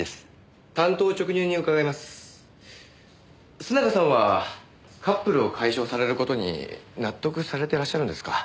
須永さんはカップルを解消される事に納得されてらっしゃるんですか？